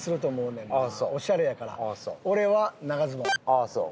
ああそう。